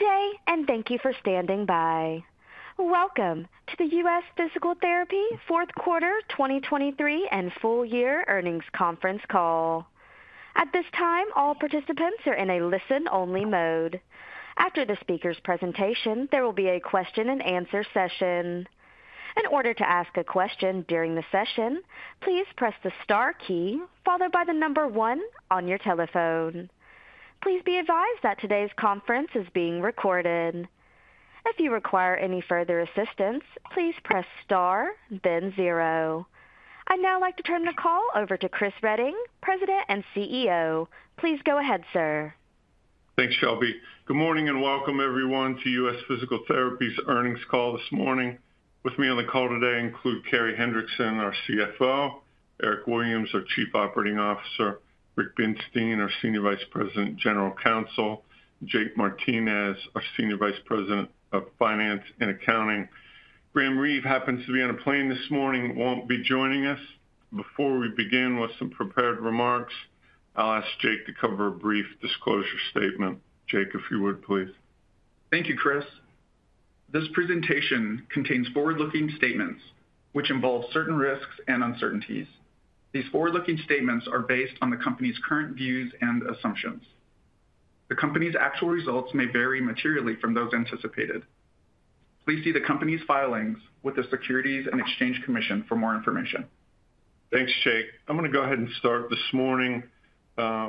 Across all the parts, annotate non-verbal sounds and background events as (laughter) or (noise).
Good day, and thank you for standing by. Welcome to the U.S. Physical Therapy fourth quarter 2023 and full year earnings conference call. At this time, all participants are in a listen-only mode. After the speaker's presentation, there will be a question-and-answer session. In order to ask a question during the session, please press the star key followed by the number one on your telephone. Please be advised that today's conference is being recorded. If you require any further assistance, please press Star then zero. I'd now like to turn the call over to Chris Reading, President and CEO. Please go ahead, sir. Thanks, Shelby. Good morning, and welcome everyone to U.S. Physical Therapy's earnings call this morning. With me on the call today include Carey Hendrickson, our CFO, Eric Williams, our Chief Operating Officer, Rick Binstein, our Senior Vice President, General Counsel, Jake Martinez, our Senior Vice President of Finance and Accounting. Graham Reeve happens to be on a plane this morning, won't be joining us. Before we begin with some prepared remarks, I'll ask Jake to cover a brief disclosure statement. Jake, if you would, please. Thank you, Chris. This presentation contains forward-looking statements, which involve certain risks and uncertainties. These forward-looking statements are based on the company's current views and assumptions. The company's actual results may vary materially from those anticipated. Please see the company's filings with the Securities and Exchange Commission for more information. Thanks, Jake. I'm gonna go ahead and start this morning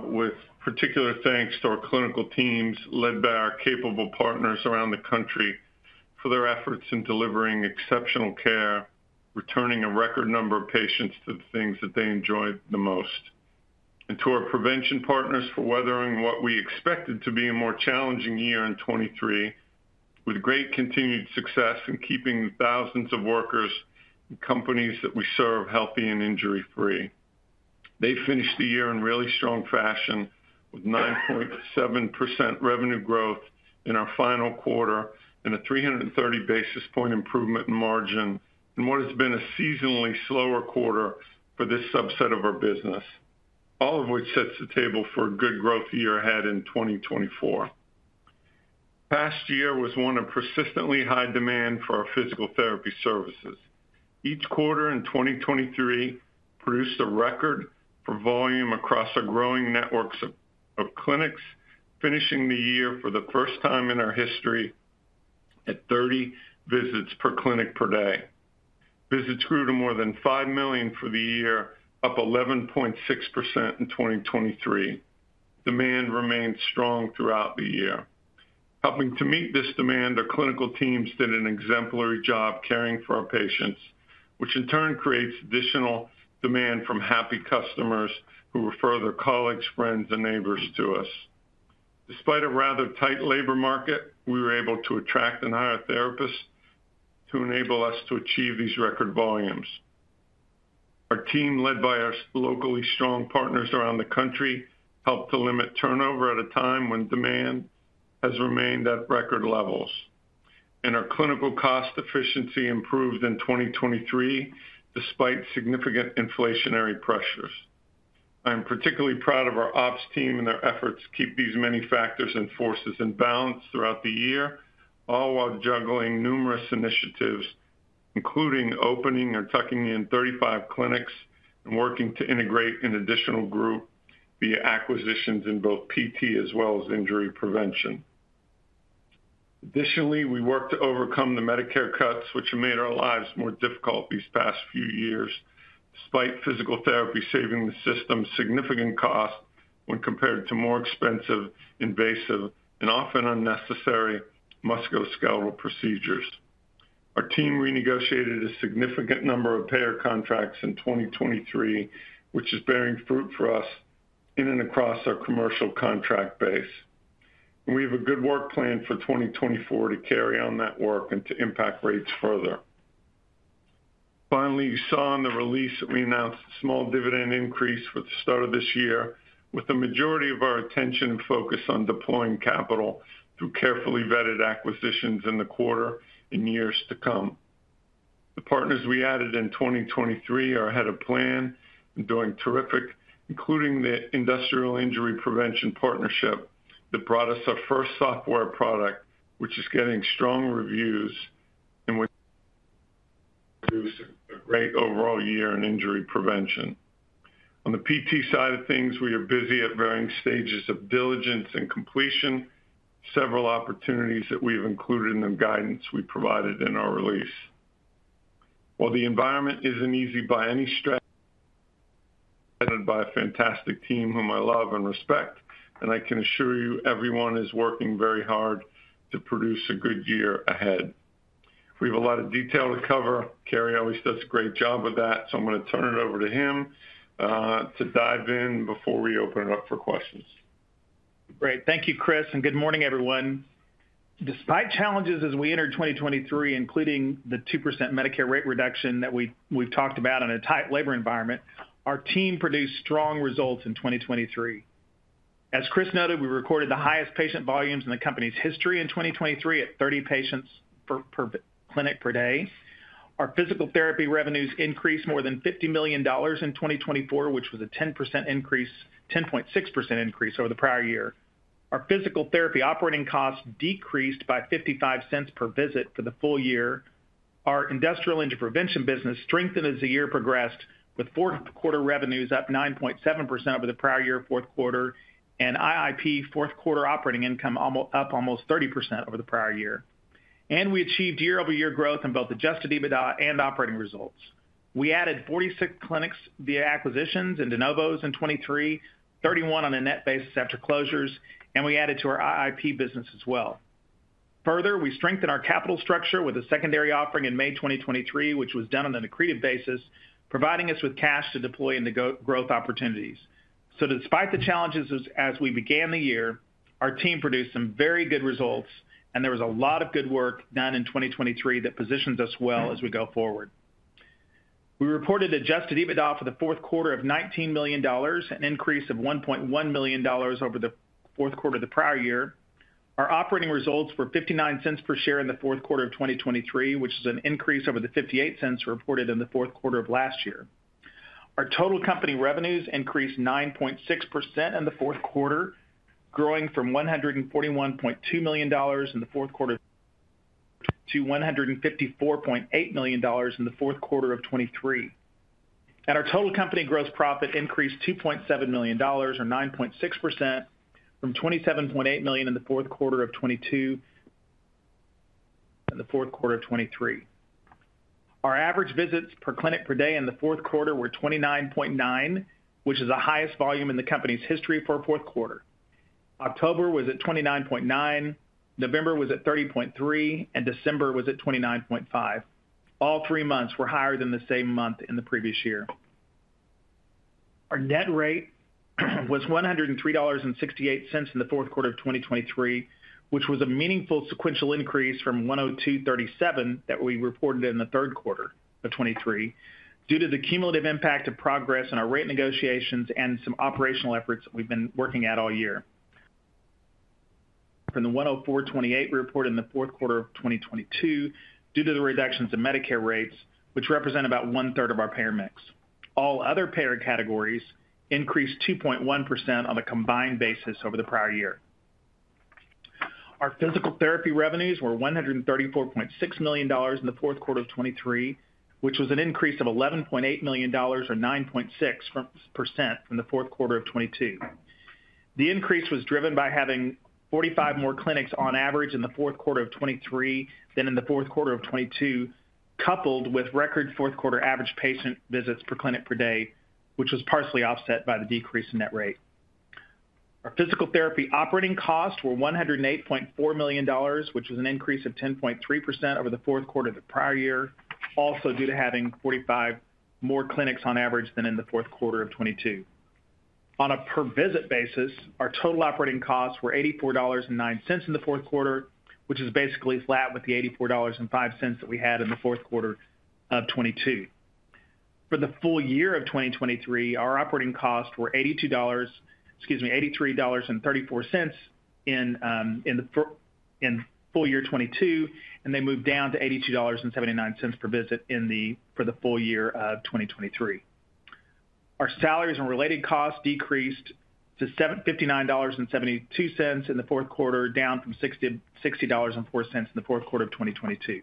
with particular thanks to our clinical teams, led by our capable partners around the country, for their efforts in delivering exceptional care, returning a record number of patients to the things that they enjoyed the most. And to our prevention partners for weathering what we expected to be a more challenging year in 2023, with great continued success in keeping the thousands of workers and companies that we serve healthy and injury-free. They finished the year in really strong fashion, with 9.7% revenue growth in our final quarter and a 330 basis point improvement in margin in what has been a seasonally slower quarter for this subset of our business, all of which sets the table for a good growth year ahead in 2024. past year was one of persistently high demand for our physical therapy services. Each quarter in 2023 produced a record for volume across our growing networks of clinics, finishing the year for the first time in our history at 30 visits per clinic per day. Visits grew to more than 5 million for the year, up 11.6% in 2023. Demand remained strong throughout the year. Helping to meet this demand, our clinical teams did an exemplary job caring for our patients, which in turn creates additional demand from happy customers who refer their colleagues, friends, and neighbors to us. Despite a rather tight labor market, we were able to attract and hire therapists to enable us to achieve these record volumes. Our team, led by our locally strong partners around the country, helped to limit turnover at a time when demand has remained at record levels, and our clinical cost efficiency improved in 2023, despite significant inflationary pressures. I'm particularly proud of our ops team and their efforts to keep these many factors and forces in balance throughout the year, all while juggling numerous initiatives, including opening or tucking in 35 clinics and working to integrate an additional group via acquisitions in both PT as well as injury prevention. Additionally, we worked to overcome the Medicare cuts, which have made our lives more difficult these past few years, despite physical therapy saving the system significant cost when compared to more expensive, invasive, and often unnecessary musculoskeletal procedures. Our team renegotiated a significant number of payer contracts in 2023, which is bearing fruit for us in and across our commercial contract base. We have a good work plan for 2024 to carry on that work and to impact rates further. Finally, you saw in the release that we announced a small dividend increase with the start of this year, with the majority of our attention and focus on deploying capital through carefully vetted acquisitions in the quarter in years to come. The partners we added in 2023 are ahead of plan and doing terrific, including the Industrial Injury Prevention Partnership that brought us our first software product, which is getting strong reviews and which produce a great overall year in injury prevention. On the PT side of things, we are busy at varying stages of diligence and completion, several opportunities that we've included in the guidance we provided in our release. While the environment isn't easy by any stretch, headed by a fantastic team whom I love and respect, and I can assure you everyone is working very hard to produce a good year ahead. We have a lot of detail to cover. Carey always does a great job with that, so I'm gonna turn it over to him, to dive in before we open it up for questions. Great. Thank you, Chris, and good morning, everyone. Despite challenges as we entered 2023, including the 2% Medicare rate reduction that we, we've talked about in a tight labor environment, our team produced strong results in 2023. As Chris noted, we recorded the highest patient volumes in the company's history in 2023 at 30 patients per clinic per day.... Our physical therapy revenues increased more than $50 million in 2024, which was a 10% increase, 10.6% increase over the prior year. Our physical therapy operating costs decreased by $0.55 per visit for the full year. Our industrial injury prevention business strengthened as the year progressed, with fourth quarter revenues up 9.7% over the prior year, fourth quarter, and IIP fourth quarter operating income up almost 30% over the prior year. We achieved year-over-year growth in both Adjusted EBITDA and operating results. We added 46 clinics via acquisitions and de novos in 2023, 31 on a net basis after closures, and we added to our IIP business as well. Further, we strengthened our capital structure with a secondary offering in May 2023, which was done on an accretive basis, providing us with cash to deploy in the go-forward growth opportunities. So despite the challenges as we began the year, our team produced some very good results, and there was a lot of good work done in 2023 that positions us well as we go forward. We reported Adjusted EBITDA for the fourth quarter of $19 million, an increase of $1.1 million over the fourth quarter of the prior year. Our operating results were $0.59 per share in the fourth quarter of 2023, which is an increase over the $0.58 reported in the fourth quarter of last year. Our total company revenues increased 9.6% in the fourth quarter, growing from $141.2 million in the fourth quarter to $154.8 million in the fourth quarter of 2023. Our total company gross profit increased $2.7 million, or 9.6%, from $27.8 million in the fourth quarter of 2022, and the fourth quarter of 2023. Our average visits per clinic per day in the fourth quarter were 29.9, which is the highest volume in the company's history for a fourth quarter. October was at 29.9, November was at 30.3, and December was at 29.5. All three months were higher than the same month in the previous year. Our net rate was $103.68 in the fourth quarter of 2023, which was a meaningful sequential increase from $102.37 that we reported in the third quarter of 2023, due to the cumulative impact of progress in our rate negotiations and some operational efforts that we've been working at all year. From the $104.28 we reported in the fourth quarter of 2022, due to the reductions in Medicare rates, which represent about one-third of our payer mix. All other payer categories increased 2.1% on a combined basis over the prior year. Our physical therapy revenues were $134.6 million in the fourth quarter of 2023, which was an increase of $11.8 million or 9.6% from the fourth quarter of 2022. The increase was driven by having 45 more clinics on average in the fourth quarter of 2023 than in the fourth quarter of 2022, coupled with record fourth quarter average patient visits per clinic per day, which was partially offset by the decrease in net rate. Our physical therapy operating costs were $108.4 million, which is an increase of 10.3% over the fourth quarter of the prior year, also due to having 45 more clinics on average than in the fourth quarter of 2022. On a per visit basis, our total operating costs were $84.09 in the fourth quarter, which is basically flat with the $84.05 that we had in the fourth quarter of 2022. For the full year of 2023, our operating costs were $82, excuse me, $83.34 in in the full year 2022, and they moved down to $82.79 per visit in the for the full year of 2023. Our salaries and related costs decreased to seventy-nine dollars and seventy-two cents in the fourth quarter, down from sixty dollars and four cents in the fourth quarter of 2022.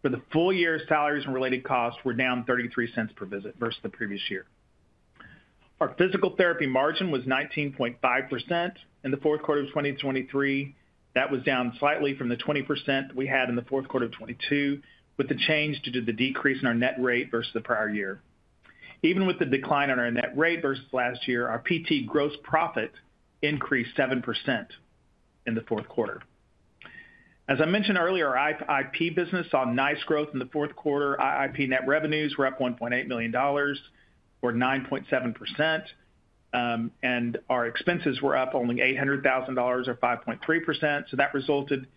For the full year, salaries and related costs were down 33 cents per visit versus the previous year. Our physical therapy margin was 19.5% in the fourth quarter of 2023. That was down slightly from the 20% we had in the fourth quarter of 2022, with the change due to the decrease in our net rate versus the prior year. Even with the decline on our net rate versus last year, our PT gross profit increased 7% in the fourth quarter. As I mentioned earlier, our IIP business saw nice growth in the fourth quarter. IIP net revenues were up $1.8 million or 9.7%, and our expenses were up only $800,000 or 5.3%. So that resulted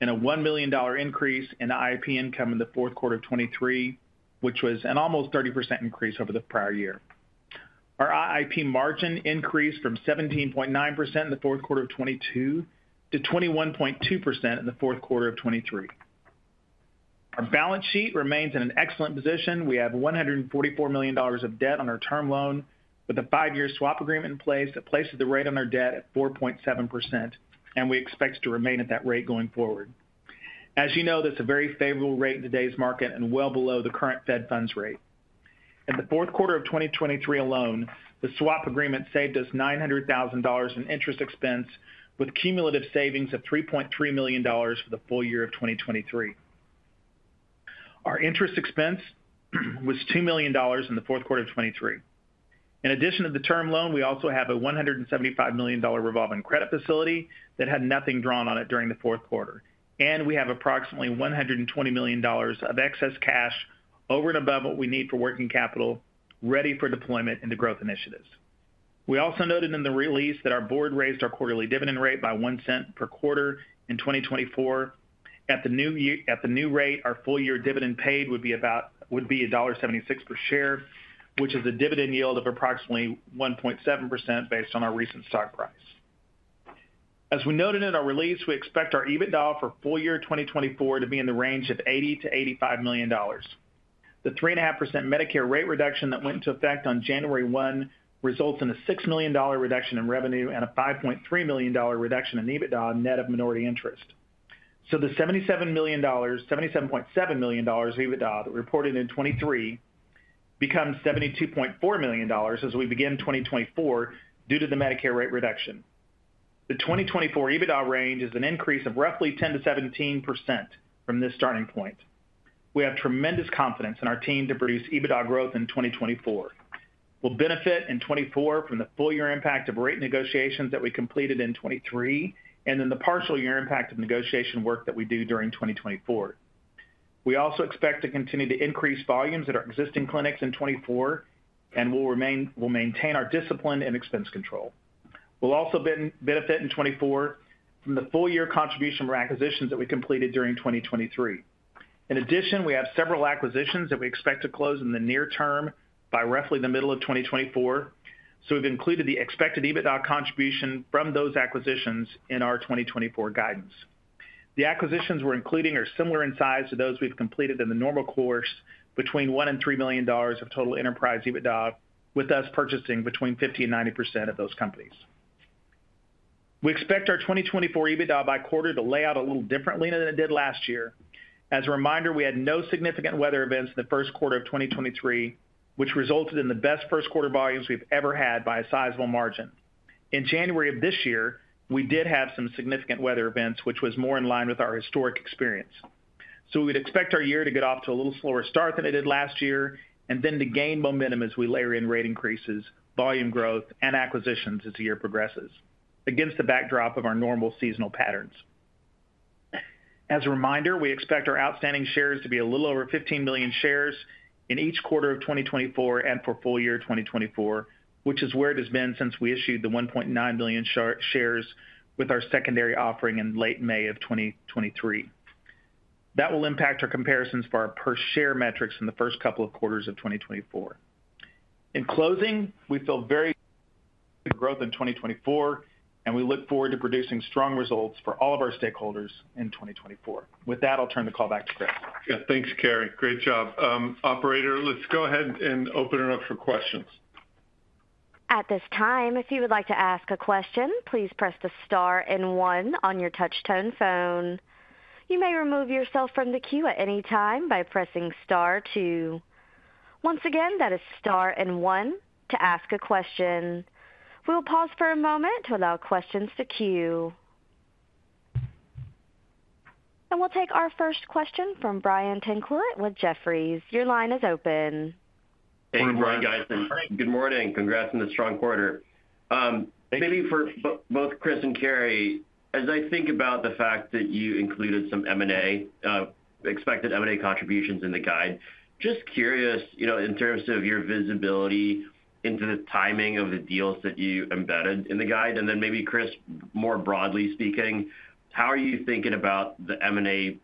in a $1 million increase in IIP income in the fourth quarter of 2023, which was an almost 30% increase over the prior year. Our IIP margin increased from 17.9% in the fourth quarter of 2022 to 21.2% in the fourth quarter of 2023. Our balance sheet remains in an excellent position. We have $144 million of debt on our term loan, with a 5-year swap agreement in place that places the rate on our debt at 4.7%, and we expect to remain at that rate going forward. As you know, that's a very favorable rate in today's market and well below the current Fed funds rate. In the fourth quarter of 2023 alone, the swap agreement saved us $900,000 in interest expense, with cumulative savings of $3.3 million for the full year of 2023. Our interest expense was $2 million in the fourth quarter of 2023. In addition to the term loan, we also have a $175 million revolving credit facility that had nothing drawn on it during the fourth quarter. We have approximately $120 million of excess cash over and above what we need for working capital, ready for deployment into growth initiatives. We also noted in the release that our board raised our quarterly dividend rate by 1 cent per quarter in 2024. At the new rate, our full year dividend paid would be about, would be $1.76 per share, which is a dividend yield of approximately 1.7% based on our recent stock price. As we noted in our release, we expect our EBITDA for full year 2024 to be in the range of $80 million-$85 million. The 3.5% Medicare rate reduction that went into effect on January 1 results in a $6 million reduction in revenue and a $5.3 million reduction in EBITDA, net of minority interest. So the $77.7 million EBITDA that we reported in 2023 becomes $72.4 million as we begin 2024 due to the Medicare rate reduction. The 2024 EBITDA range is an increase of roughly 10%-17% from this starting point. We have tremendous confidence in our team to produce EBITDA growth in 2024. We'll benefit in 2024 from the full year impact of rate negotiations that we completed in 2023, and then the partial year impact of negotiation work that we do during 2024. We also expect to continue to increase volumes at our existing clinics in 2024, and we'll maintain our discipline and expense control. We'll also benefit in 2024 from the full year contribution or acquisitions that we completed during 2023. In addition, we have several acquisitions that we expect to close in the near term by roughly the middle of 2024, so we've included the expected EBITDA contribution from those acquisitions in our 2024 guidance. The acquisitions we're including are similar in size to those we've completed in the normal course, between $1 million and $3 million of total enterprise EBITDA, with us purchasing between 50% and 90% of those companies. We expect our 2024 EBITDA by quarter to lay out a little differently than it did last year. As a reminder, we had no significant weather events in the first quarter of 2023, which resulted in the best first quarter volumes we've ever had by a sizable margin. In January of this year, we did have some significant weather events, which was more in line with our historic experience. So we'd expect our year to get off to a little slower start than it did last year, and then to gain momentum as we layer in rate increases, volume growth, and acquisitions as the year progresses, against the backdrop of our normal seasonal patterns. As a reminder, we expect our outstanding shares to be a little over 15 million shares in each quarter of 2024 and for full year 2024, which is where it has been since we issued the 1.9 million shares with our secondary offering in late May of 2023. That will impact our comparisons for our per share metrics in the first couple of quarters of 2024. In closing, we feel very growth in 2024, and we look forward to producing strong results for all of our stakeholders in 2024. With that, I'll turn the call back to Chris. Yeah, thanks, Carey. Great job. Operator, let's go ahead and open it up for questions. At this time, if you would like to ask a question, please press the star and one on your touch tone phone. You may remove yourself from the queue at any time by pressing star two. Once again, that is star and one to ask a question. We will pause for a moment to allow questions to queue. We'll take our first question from Brian Tanquilut with Jefferies. Your line is open. Thank you, Brian. Good morning. Congrats on the strong quarter. Maybe for both Chris and Carey, as I think about the fact that you included some M&A, expected M&A contributions in the guide, just curious, you know, in terms of your visibility into the timing of the deals that you embedded in the guide, and then maybe, Chris, more broadly speaking, how are you thinking about the M&A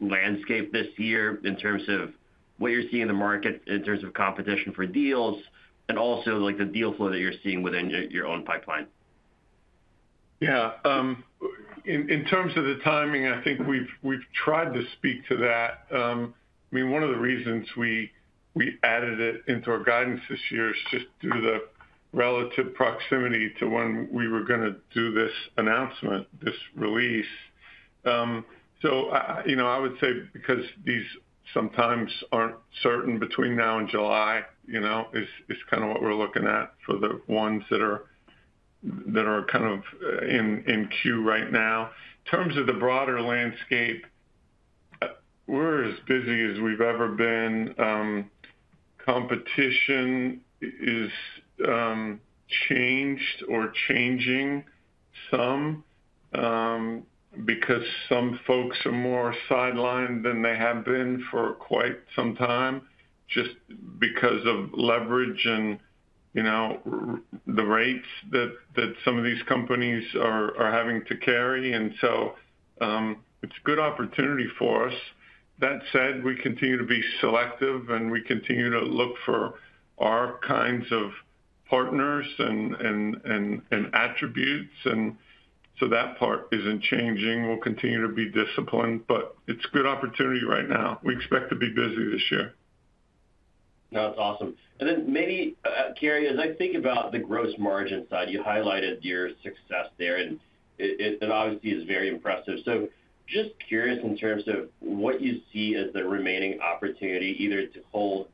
landscape this year in terms of what you're seeing in the market, in terms of competition for deals, and also, like, the deal flow that you're seeing within your, your own pipeline? Yeah, in terms of the timing, I think we've tried to speak to that. I mean, one of the reasons we added it into our guidance this year is just due to the relative proximity to when we were gonna do this announcement, this release. So, you know, I would say because these sometimes aren't certain between now and July, you know, is kinda what we're looking at for the ones that are kind of in queue right now. In terms of the broader landscape, we're as busy as we've ever been. Competition is changed or changing some, because some folks are more sidelined than they have been for quite some time, just because of leverage and, you know, the rates that some of these companies are having to carry, and so, it's a good opportunity for us. That said, we continue to be selective, and we continue to look for our kinds of partners and attributes, and so that part isn't changing. We'll continue to be disciplined, but it's a good opportunity right now. We expect to be busy this year. No, that's awesome. And then maybe, Carey, as I think about the gross margin side, you highlighted your success there, and it obviously is very impressive. So just curious in terms of what you see as the remaining opportunity, either to hold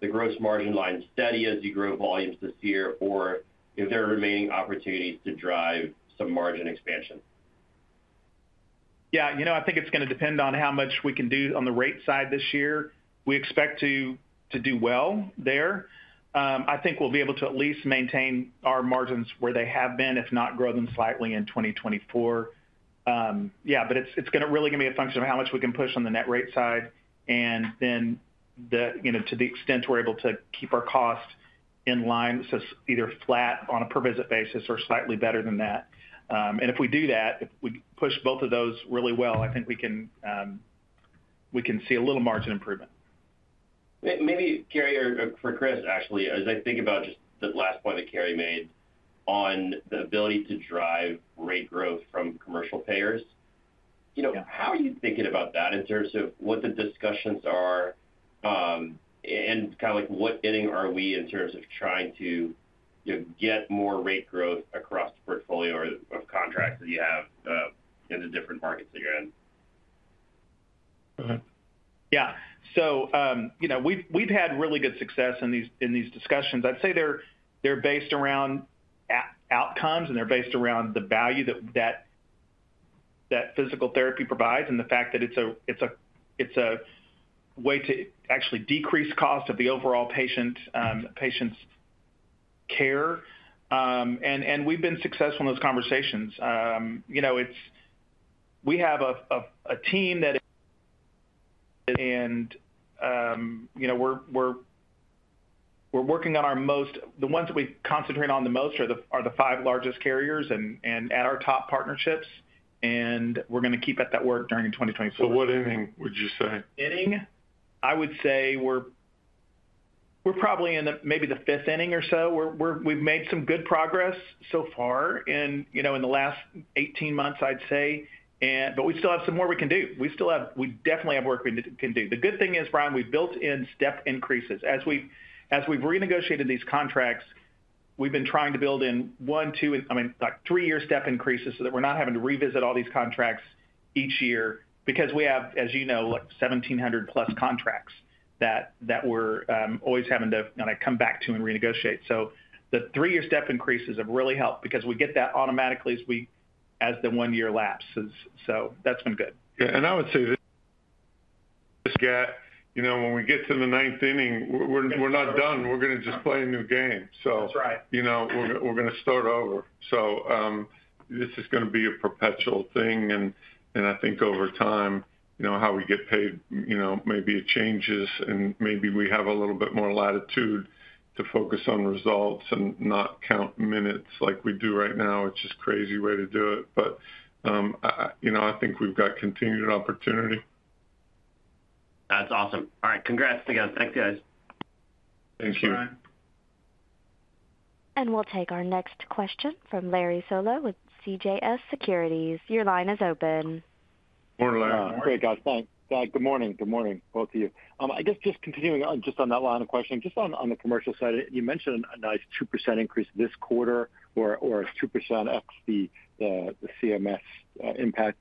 the gross margin line steady as you grow volumes this year, or if there are remaining opportunities to drive some margin expansion? Yeah, you know, I think it's gonna depend on how much we can do on the rate side this year. We expect to do well there. I think we'll be able to at least maintain our margins where they have been, if not grow them slightly in 2024. Yeah, but it's gonna really be a function of how much we can push on the net rate side, and then, you know, to the extent we're able to keep our costs in line, so it's either flat on a per visit basis or slightly better than that. And if we do that, if we push both of those really well, I think we can see a little margin improvement. Maybe Carey or for Chris, actually, as I think about just the last point that Carey made on the ability to drive rate growth from commercial payers, you know how are you thinking about that in terms of what the discussions are, and kind of like, what inning are we in terms of trying to, you know, get more rate growth across the portfolio or of contracts that you have in the different markets that you're in? Go ahead. Yeah. So, you know, we've had really good success in these discussions. I'd say they're based around outcomes, and they're based around the value that physical therapy provides, and the fact that it's a way to actually decrease cost of the overall patient's care. And we've been successful in those conversations. You know, it's - we have a team that... And, you know, we're working on our most - The ones that we concentrate on the most are the five largest carriers and at our top partnerships, and we're gonna keep at that work during 2024. So what inning would you say? Inning? I would say we're probably in the maybe the fifth inning or so. We're we've made some good progress so far in you know in the last 18 months I'd say. But we still have some more we can do. We still have we definitely have work we can do. The good thing is Brian we've built in step increases. As we as we've renegotiated these contracts we've been trying to build in 1, 2, and I mean like 3-year step increases so that we're not having to revisit all these contracts each year because we have as you know what? 1,700+ contracts that we're always having to kind of come back to and renegotiate. So the 3-year step increases have really helped because we get that automatically as we as the 1 year lapses so that's been good. Yeah, and I would say that, yeah, you know, when we get to the ninth inning, we're not done. We're gonna just play a new game, so. That's right You know, we're gonna start over. So, this is gonna be a perpetual thing, and I think over time, you know, how we get paid, you know, maybe it changes, and maybe we have a little bit more latitude to focus on results and not count minutes like we do right now. It's just a crazy way to do it, but, you know, I think we've got continued opportunity. That's awesome. All right, congrats again. Thanks, guys. Thank you. Thanks, Brian. We'll take our next question from Larry Solow with CJS Securities. Your line is open. Hello, Larry. Great, guys. Thanks. Good morning. Good morning, both of you. I guess just continuing on, just on that line of questioning, just on, on the commercial side, you mentioned a nice 2% increase this quarter or, or 2% up the, the, the CMS impact.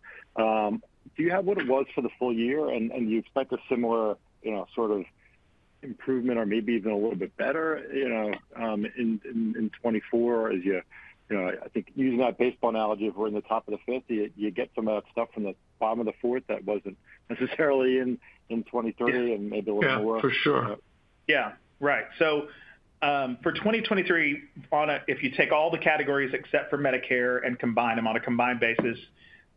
Do you have what it was for the full year, and, and you expect a similar, you know, sort of improvement or maybe even a little bit better, you know, in, in, in 2024 as you, you know, I think using that baseball analogy, if we're in the top of the fifth, you, you get some stuff from the bottom of the fourth that wasn't necessarily in, in 2023, and maybe it was. Yeah, for sure. Yeah. Right. So, for 2023, if you take all the categories except for Medicare and combine them on a combined basis,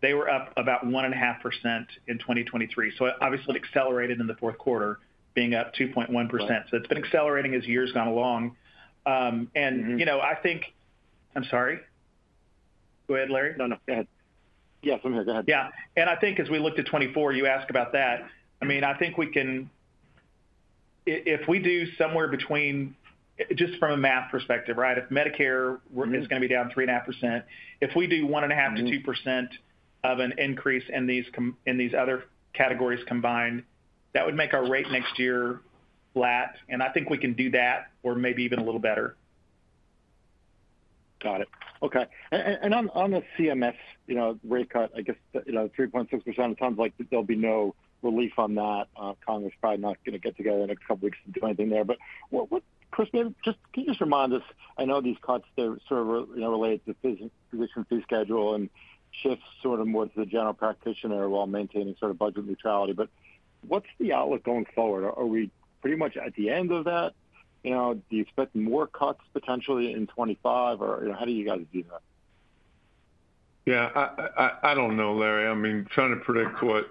they were up about 1.5% in 2023. So obviously, it accelerated in the fourth quarter, being up 2.1%. So it's been accelerating as years gone along. And you know, I think. I'm sorry. Go ahead, Larry. No, no. Go ahead. Yeah, go ahead. Yeah, and I think as we looked at 2024, you asked about that. I mean, I think we can... If, if we do somewhere between, just from a math perspective, right? If Medicare is gonna be down 3.5%, if we do 1.5 to 2% of an increase in these other categories combined, that would make our rate next year flat, and I think we can do that or maybe even a little better. Got it. Okay. And on the CMS, you know, rate cut, I guess, you know, 3.6%, it sounds like there'll be no relief on that. Congress is probably not gonna get together in the next couple of weeks to do anything there. But what, Chris, maybe just, can you just remind us, I know these cuts, they're sort of, you know, related to physician fee schedule and shifts sort of more to the general practitioner while maintaining sort of budget neutrality, but what's the outlook going forward? Are we pretty much at the end of that? You know, do you expect more cuts potentially in 2025, or how do you guys view that? Yeah, I don't know, Larry. I mean, trying to predict what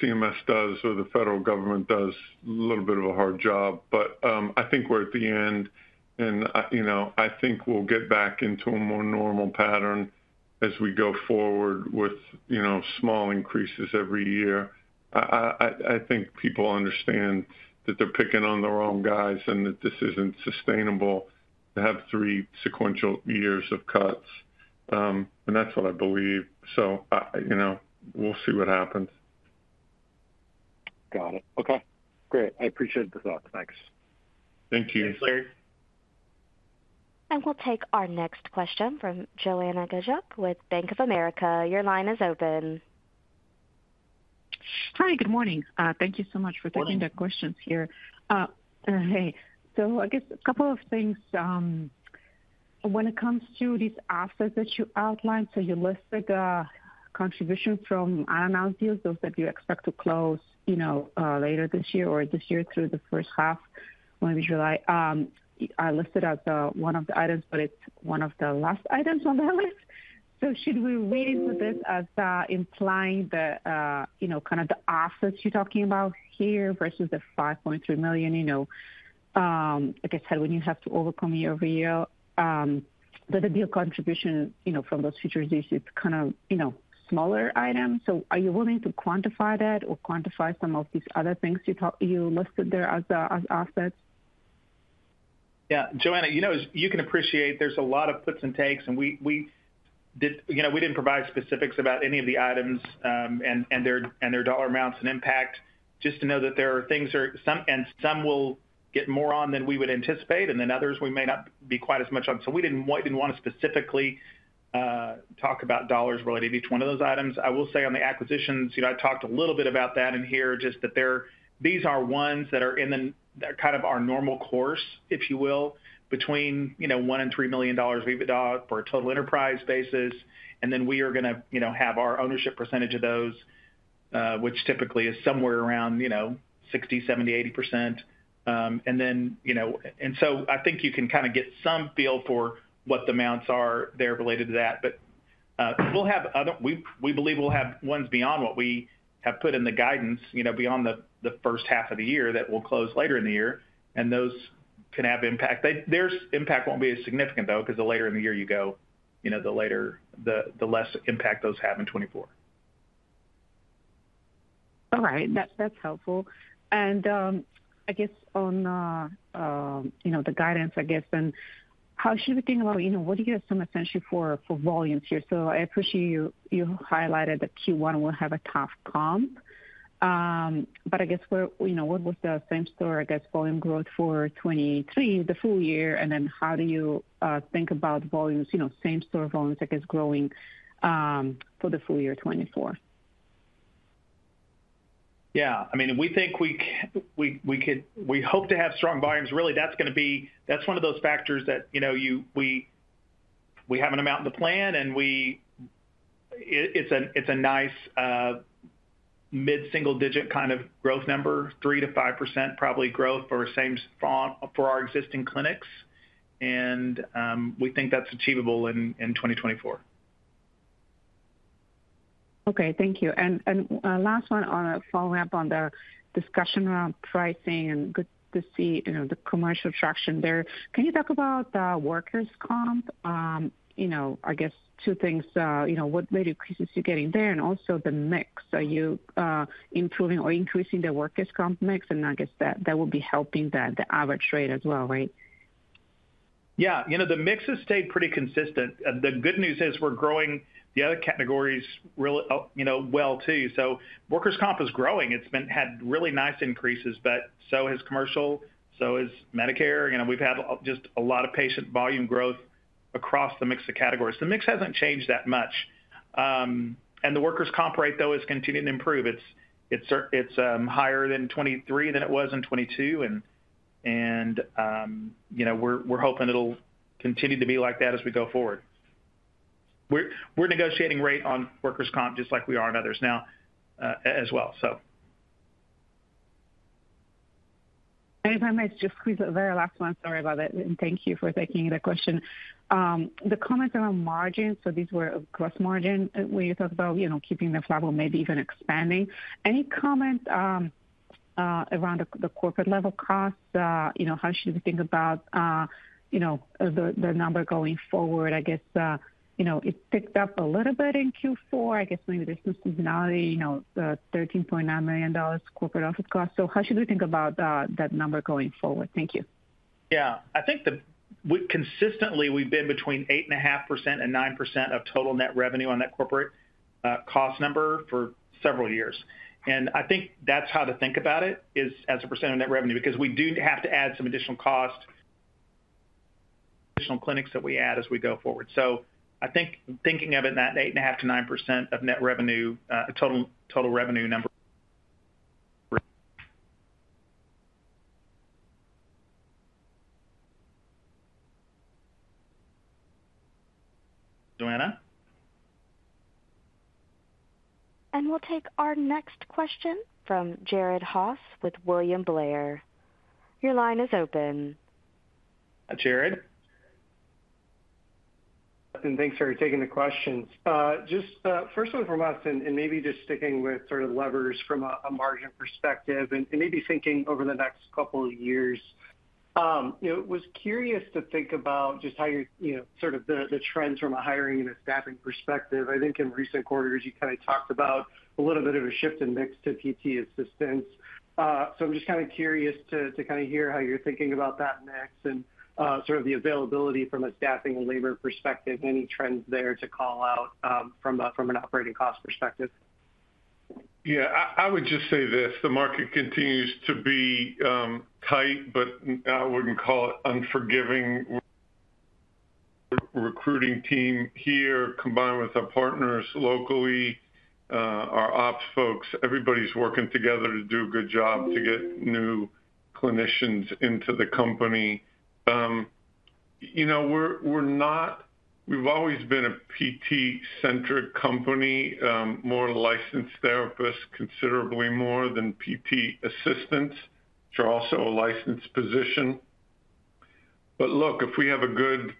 CMS does or the federal government does, a little bit of a hard job, but I think we're at the end, and you know, I think we'll get back into a more normal pattern as we go forward with you know, small increases every year. I think people understand that they're picking on the wrong guys and that this isn't sustainable to have three sequential years of cuts. And that's what I believe. So you know, we'll see what happens. Got it. Okay, great. I appreciate the thoughts. Thanks. Thank you. Thanks, Larry. We'll take our next question from Joanna Gajuk with Bank of America. Your line is open. Hi, good morning. Thank you so much for taking (crosstalk) the questions here. Hey, so I guess a couple of things, when it comes to these assets that you outlined, so you listed, contribution from unannounced deals, those that you expect to close, you know, later this year or this year through the first half, maybe July. I listed as, one of the items, but it's one of the last items on the list. So should we read this as, implying the, you know, kind of the assets you're talking about here versus the $5.3 million, you know, like I said, when you have to overcome year-over-year, there will be a contribution, you know, from those future issues, kind of, you know, smaller items. Are you willing to quantify that or quantify some of these other things you listed there as, as assets? Yeah, Joanna, you know, as you can appreciate, there's a lot of puts and takes, and we, we did, you know, we didn't provide specifics about any of the items, and, and their, and their dollar amounts and impact. Just to know that there are things are some, and some will get more on than we would anticipate, and then others we may not be quite as much on. So we didn't want, didn't want to specifically, talk about dollars related to each one of those items. I will say on the acquisitions, you know, I talked a little bit about that in here, just that they're, these are ones that are in the, kind of our normal course, if you will, between, you know, $1 million and $3 million EBITDA for a total enterprise basis. And then we are gonna, you know, have our ownership percentage of those, which typically is somewhere around, you know, 60%, 70%, 80%. And then, you know... And so I think you can kind of get some feel for what the amounts are there related to that. But, we'll have other—we, we believe we'll have ones beyond what we have put in the guidance, you know, beyond the, the first half of the year, that will close later in the year, and those can have impact. They, their impact won't be as significant, though, because the later in the year you go, you know, the later, the, the less impact those have in 2024. All right. That's, that's helpful. And, I guess on, you know, the guidance, I guess, and how should we think about, you know, what do you assume essentially for, for volumes here? So I appreciate you, you highlighted that Q1 will have a tough comp. But I guess where, you know, what was the same store, I guess, volume growth for 2023, the full year, and then how do you, think about volumes, you know, same store volumes, I guess, growing, for the full year 2024? Yeah, I mean, we think we can. We hope to have strong volumes. Really, that's gonna be, that's one of those factors that, you know, we have an amount in the plan, and it's a nice mid-single digit kind of growth number, 3%-5% probably growth for same-store, for our existing clinics, and we think that's achievable in 2024. Okay, thank you. And last one on a follow-up on the discussion around pricing and good to see, you know, the commercial traction there. Can you talk about workers' comp? You know, I guess two things, you know, what rate increases you're getting there and also the mix. Are you improving or increasing the workers' comp mix? And I guess that will be helping the average rate as well, right? Yeah. You know, the mix has stayed pretty consistent. The good news is we're growing the other categories really, you know, well, too. So workers' comp is growing. It's had really nice increases, but so has commercial, so has Medicare. You know, we've had just a lot of patient volume growth across the mix of categories. The mix hasn't changed that much. And the workers' comp rate, though, is continuing to improve. It's higher in 2023 than it was in 2022, and, you know, we're hoping it'll continue to be like that as we go forward. We're negotiating rate on workers' comp just like we are on others now, as well, so. If I may, just the very last one. Sorry about that, and thank you for taking the question. The comments around margins, so these were gross margin, where you talked about, you know, keeping the level, maybe even expanding. Any comment around the corporate-level costs? You know, how should we think about, you know, the number going forward? I guess, you know, it ticked up a little bit in Q4. I guess maybe there's some seasonality, you know, the $13.9 million corporate office cost. So how should we think about that number going forward? Thank you. Yeah. I think consistently, we've been between 8.5% and 9% of total net revenue on that corporate cost number for several years. And I think that's how to think about it, is as a percent of net revenue, because we do have to add some additional cost, additional clinics that we add as we go forward. So I think thinking of it in that 8.5%-9% of net revenue, total, total revenue number. Joanna? We'll take our next question from Jared Haase with William Blair. Your line is open. Jared? Thanks for taking the questions. Just first one from us, and maybe just sticking with sort of levers from a margin perspective and maybe thinking over the next couple of years. You know, was curious to think about just how you're you know sort of the trends from a hiring and a staffing perspective. I think in recent quarters, you kind of talked about a little bit of a shift in mix to PT assistants. So I'm just kind of curious to kind of hear how you're thinking about that mix and sort of the availability from a staffing and labor perspective, any trends there to call out from an operating cost perspective? Yeah, I would just say this: the market continues to be tight, but I wouldn't call it unforgiving. Recruiting team here, combined with our partners locally, our ops folks, everybody's working together to do a good job to get new clinicians into the company. You know, we're not-- we've always been a PT-centric company, more licensed therapists, considerably more than PT assistants, which are also a licensed position. But look, if we have a good,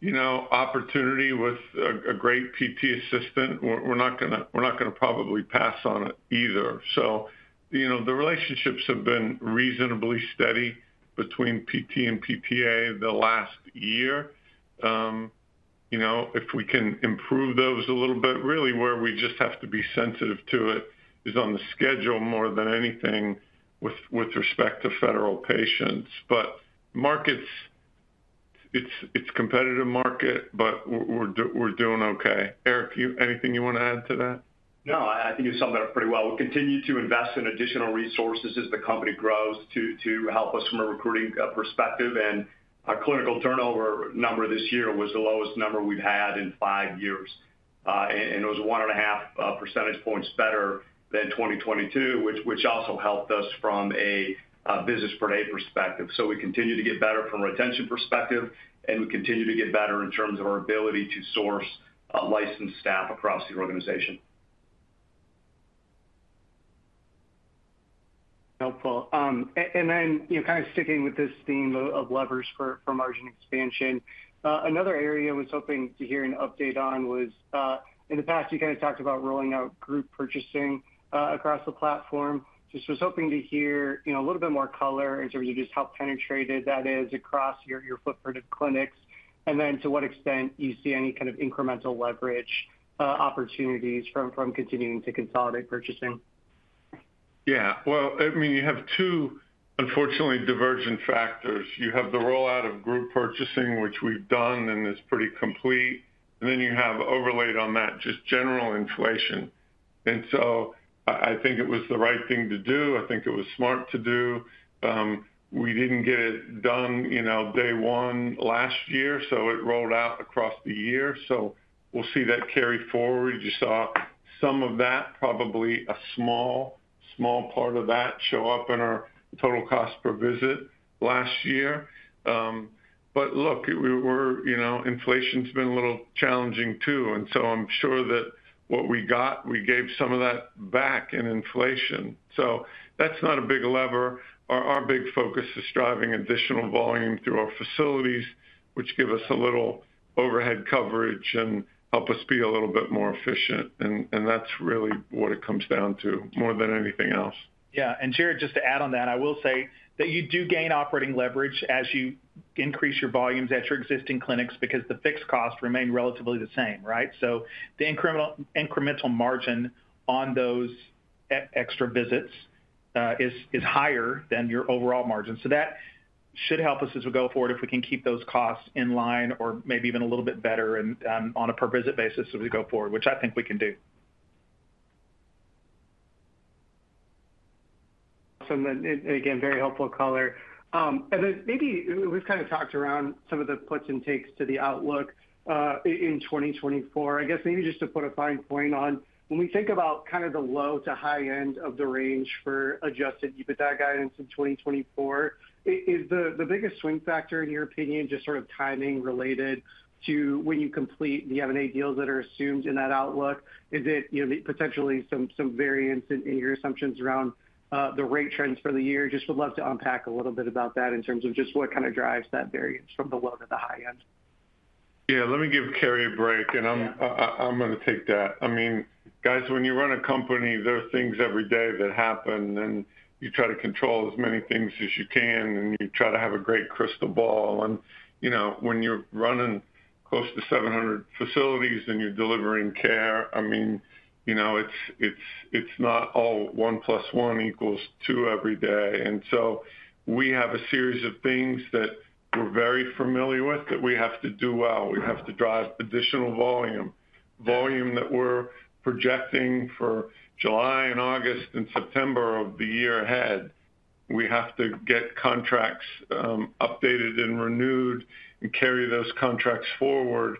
you know, opportunity with a great PT assistant, we're not gonna probably pass on it either. So, you know, the relationships have been reasonably steady between PT and PTA the last year. You know, if we can improve those a little bit, really where we just have to be sensitive to it, is on the schedule more than anything with respect to federal patients. But markets, it's competitive market, but we're doing okay. Eric, you, anything you wanna add to that? No, I think you summed that up pretty well. We'll continue to invest in additional resources as the company grows to, to help us from a recruiting perspective. Our clinical turnover number this year was the lowest number we've had in five years. And it was 1.5 percentage points better than 2022, which also helped us from a business per day perspective. So we continue to get better from a retention perspective, and we continue to get better in terms of our ability to source licensed staff across the organization. Helpful. And then, you know, kind of sticking with this theme of levers for margin expansion, another area I was hoping to hear an update on was, in the past, you kind of talked about rolling out group purchasing across the platform. Just was hoping to hear, you know, a little bit more color in terms of just how penetrated that is across your footprint of clinics, and then to what extent you see any kind of incremental leverage opportunities from continuing to consolidate purchasing. Yeah, well, I mean, you have two, unfortunately, divergent factors. You have the rollout of group purchasing, which we've done, and is pretty complete, and then you have overlaid on that, just general inflation. And so I, I think it was the right thing to do. I think it was smart to do. We didn't get it done, you know, day one last year, so it rolled out across the year. So we'll see that carry forward. You saw some of that, probably a small, small part of that, show up in our total cost per visit last year. But look, we were, you know, inflation's been a little challenging, too, and so I'm sure that what we got, we gave some of that back in inflation. So that's not a big lever. Our big focus is driving additional volume through our facilities, which give us a little overhead coverage and help us be a little bit more efficient, and that's really what it comes down to, more than anything else. Yeah, and Jared just to add on that, I will say that you do gain operating leverage as you increase your volumes at your existing clinics, because the fixed costs remain relatively the same, right? So the incremental margin on those extra visits is higher than your overall margin. So that should help us as we go forward, if we can keep those costs in line or maybe even a little bit better and on a per visit basis as we go forward, which I think we can do. So then, again, very helpful color. And then maybe, we've kind of talked around some of the puts and takes to the outlook, in 2024. I guess maybe just to put a fine point on, when we think about kind of the low to high end of the range for adjusted EBITDA guidance in 2024, is the biggest swing factor, in your opinion, just sort of timing related to when you complete the M&A deals that are assumed in that outlook? Is it, you know, potentially some variance in your assumptions around the rate trends for the year? Just would love to unpack a little bit about that in terms of just what kind of drives that variance from the low to the high end. Yeah, let me give Carey a break, and I'm gonna take that. I mean, guys, when you run a company, there are things every day that happen, and you try to control as many things as you can, and you try to have a great crystal ball. And, you know, when you're running close to 700 facilities and you're delivering care, I mean, you know, it's not all one plus one equals two every day. And so we have a series of things that we're very familiar with that we have to do well. We have to drive additional volume, volume that we're projecting for July and August and September of the year ahead. We have to get contracts updated and renewed and carry those contracts forward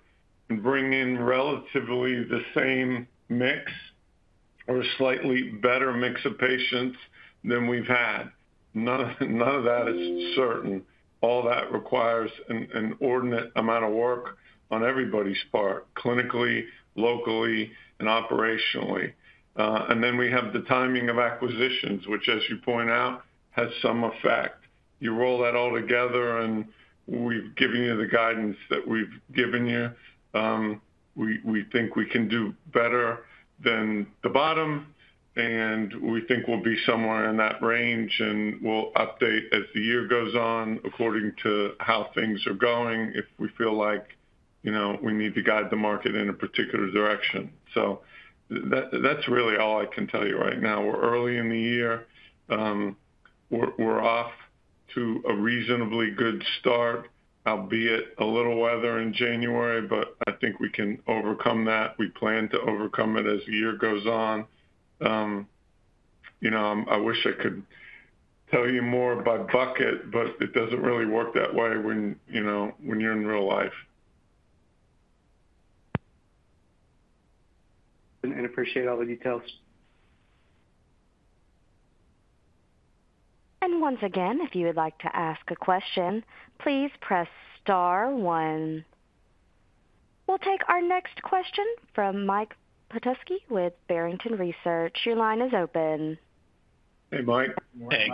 and bring in relatively the same mix or a slightly better mix of patients than we've had. None of that is certain. All that requires an inordinate amount of work on everybody's part, clinically, locally, and operationally. And then we have the timing of acquisitions, which, as you point out, has some effect. You roll that all together, and we've given you the guidance that we've given you. We think we can do better than the bottom, and we think we'll be somewhere in that range, and we'll update as the year goes on according to how things are going, if we feel like, you know, we need to guide the market in a particular direction. So that's really all I can tell you right now. We're early in the year. We're off to a reasonably good start, albeit a little weather in January, but I think we can overcome that. We plan to overcome it as the year goes on. You know, I wish I could tell you more by bucket, but it doesn't really work that way when, you know, when you're in real life. I appreciate all the details. And once again, if you would like to ask a question, please press star one. We'll take our next question from Mike Petusky with Barrington Research. Your line is open. Hey, Mike. Hey,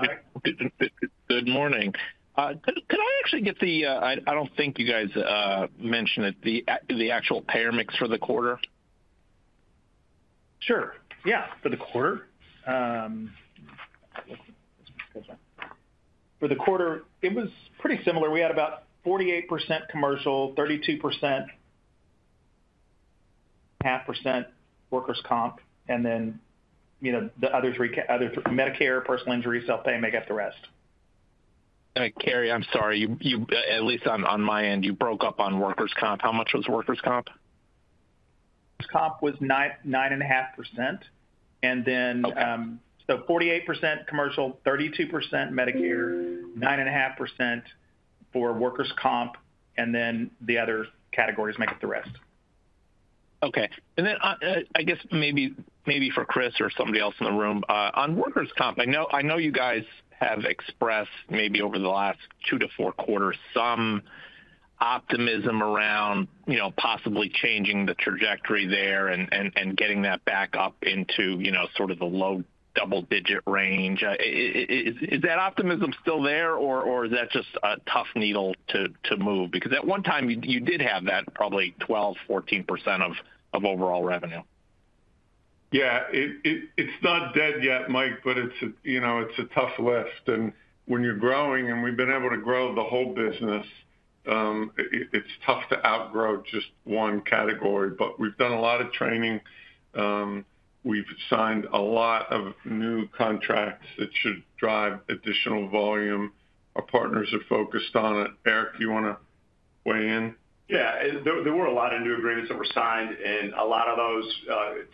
good morning. Could I actually get the... I don't think you guys mentioned it, the actual payer mix for the quarter? Sure, yeah. For the quarter, it was pretty similar. We had about 48% commercial, 32.5% workers' comp, and then, you know, the other three: Medicare, personal injury, self-pay, make up the rest. Carey, I'm sorry. At least on my end, you broke up on workers' comp. How much was workers' comp? Comp was 9, 9.5%. And then, so 48% commercial, 32% Medicare, 9.5% for workers' comp, and then the other categories make up the rest. Okay. And then, I guess maybe for Chris or somebody else in the room, on workers' comp, I know you guys have expressed, maybe over the last 2-4 quarters, some optimism around, you know, possibly changing the trajectory there and getting that back up into, you know, sort of the low double-digit range. Is that optimism still there, or is that just a tough needle to move? Because at one time, you did have that probably 12%-14% of overall revenue. Yeah, it's not dead yet, Mike, but it's a, you know, it's a tough lift. And when you're growing, and we've been able to grow the whole business, it's tough to outgrow just one category. But we've done a lot of training, we've signed a lot of new contracts that should drive additional volume. Our partners are focused on it. Eric, you want to weigh in? Yeah, there were a lot of new agreements that were signed, and a lot of those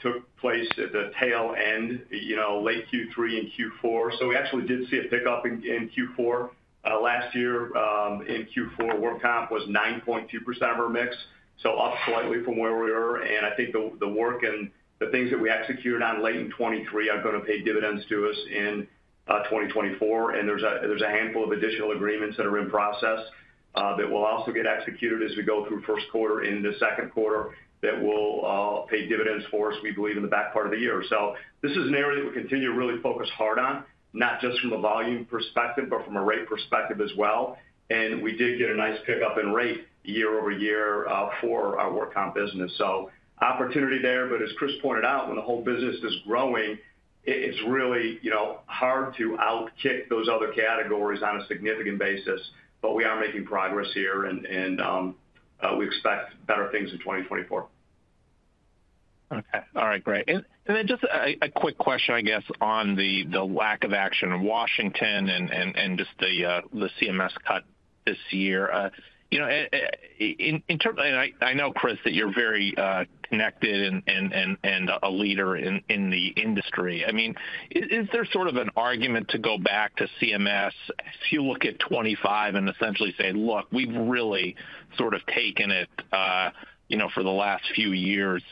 took place at the tail end, you know, late Q3 and Q4. So we actually did see a pickup in Q4. Last year, in Q4, work comp was 9.2% of our mix, so up slightly from where we were. And I think the work and the things that we executed on late in 2023 are going to pay dividends to us in 2024. And there's a handful of additional agreements that are in process, that will also get executed as we go through first quarter into second quarter, that will pay dividends for us, we believe, in the back part of the year. So this is an area that we continue to really focus hard on, not just from a volume perspective, but from a rate perspective as well. And we did get a nice pickup in rate year over year for our work comp business. So opportunity there, but as Chris pointed out, when the whole business is growing, it's really, you know, hard to outkick those other categories on a significant basis. But we are making progress here, and we expect better things in 2024. Okay. All right, great. And then just a quick question, I guess, on the lack of action in Washington and just the CMS cut this year. You know, in terms and I know, Chris, that you're very connected and a leader in the industry. I mean, is there sort of an argument to go back to CMS if you look at 2025 and essentially say, "Look, we've really sort of taken it, you know, for the last few years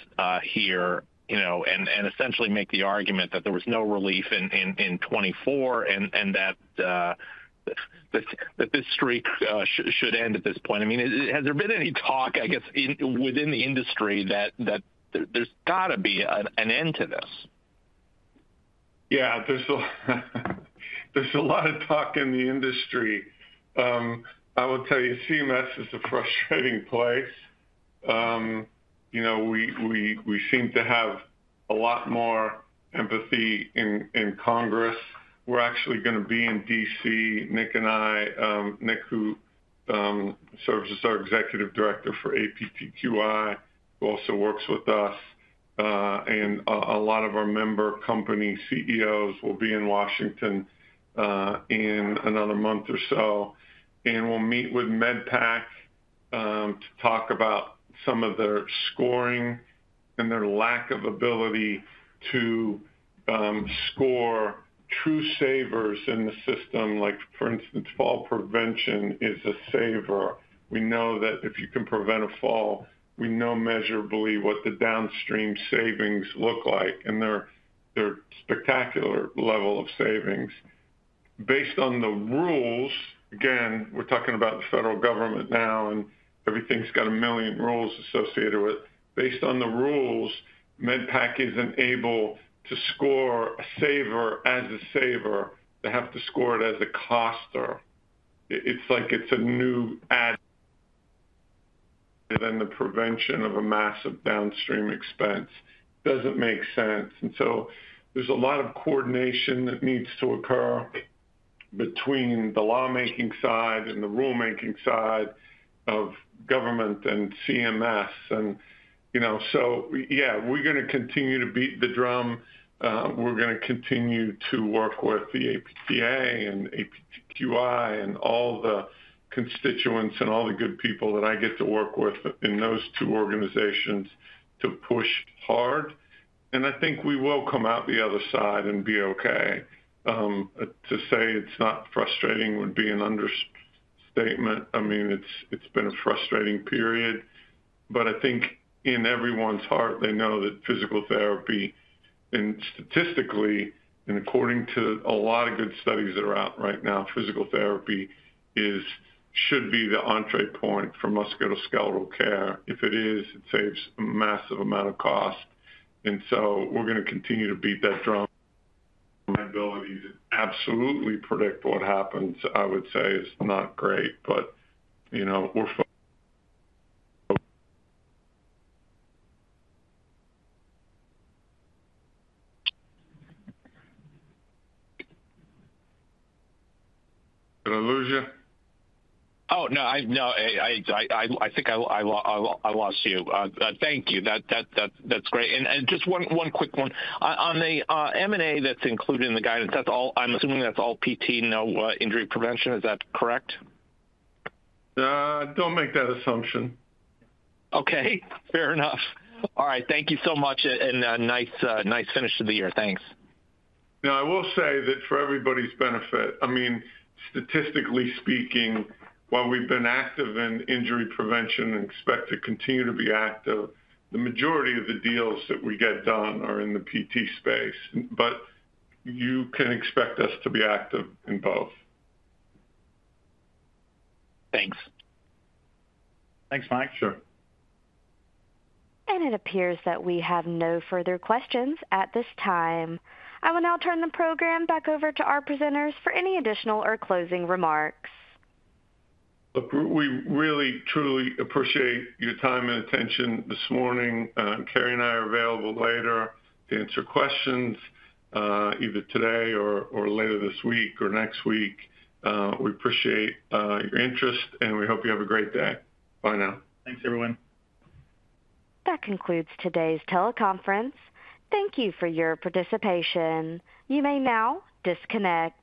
here," you know, and essentially make the argument that there was no relief in 2024, and that this streak should end at this point? I mean, has there been any talk, I guess, within the industry that there's got to be an end to this? Yeah, there's a, there's a lot of talk in the industry. I will tell you, CMS is a frustrating place. You know, we seem to have a lot more empathy in Congress. We're actually going to be in D.C., Nick and I, Nick, who serves as our Executive Director for APTQI, who also works with us, and a lot of our member company CEOs will be in Washington, in another month or so. And we'll meet with MedPAC, to talk about some of their scoring and their lack of ability to score true savers in the system, like, for instance, fall prevention is a saver. We know that if you can prevent a fall, we know measurably what the downstream savings look like, and they're spectacular level of savings. Based on the rules, again, we're talking about the federal government now, and everything's got a million rules associated with. Based on the rules, MedPAC isn't able to score a saver as a saver. They have to score it as a coster. It's like it's a new add- than the prevention of a massive downstream expense. Doesn't make sense, and so there's a lot of coordination that needs to occur between the lawmaking side and the rulemaking side of government and CMS, and you know. So yeah, we're going to continue to beat the drum, we're going to continue to work with the APTA and APTQI and all the constituents and all the good people that I get to work with in those two organizations to push hard, and I think we will come out the other side and be okay. To say it's not frustrating would be an understatement. I mean, it's been a frustrating period, but I think in everyone's heart, they know that physical therapy... And statistically, and according to a lot of good studies that are out right now, physical therapy is, should be the entry point for musculoskeletal care. If it is, it saves a massive amount of cost, and so we're gonna continue to beat that drum. My ability to absolutely predict what happens, I would say, is not great, but, you know, we're f- Did I lose you? Oh, no, I think I lost you. But thank you. That's great. And just one quick one. On the M&A that's included in the guidance, that's all... I'm assuming that's all PT, no injury prevention. Is that correct? Don't make that assumption. Okay, fair enough. All right. Thank you so much, and, nice, nice finish to the year. Thanks. Now, I will say that for everybody's benefit, I mean, statistically speaking, while we've been active in injury prevention and expect to continue to be active, the majority of the deals that we get done are in the PT space, but you can expect us to be active in both. Thanks. Thanks, Mike. Sure. It appears that we have no further questions at this time. I will now turn the program back over to our presenters for any additional or closing remarks. Look, we really, truly appreciate your time and attention this morning. Carey and I are available later to answer questions, either today or, or later this week or next week. We appreciate your interest, and we hope you have a great day. Bye now. Thanks, everyone. That concludes today's teleconference. Thank you for your participation. You may now disconnect.